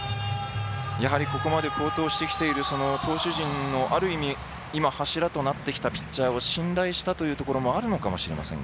ここまで好投してきている投手陣のある意味、今柱になってきているピッチャーを信頼したところもあると思いますが。